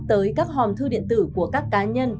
tới các hòm thư điện tử của các cá nhân